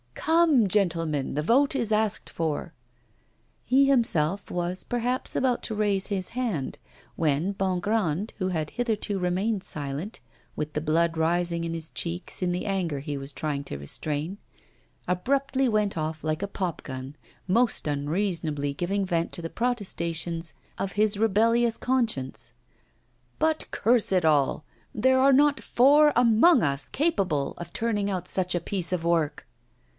'Come, gentlemen, the vote is asked for.' He himself was, perhaps, about to raise his hand, when Bongrand, who had hitherto remained silent, with the blood rising to his cheeks in the anger he was trying to restrain, abruptly went off like a pop gun, most unseasonably giving vent to the protestations of his rebellious conscience. 'But, curse it all! there are not four among us capable of turning out such a piece of work!